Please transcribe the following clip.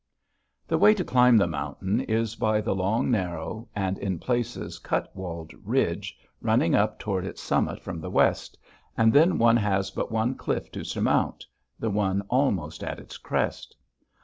The way to climb the mountain is by the long, narrow, and in places cut walled ridge running up toward its summit from the west, and then one has but one cliff to surmount, the one almost at its crest.